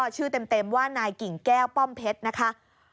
เต็มว่านายกิ่งแก้วป้อมเพชรนะคะ